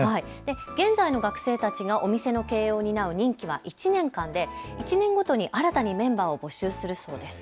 現在の学生たちがお店の経営を担う任期は１年間で１年ごとに新たにメンバーを募集するそうです。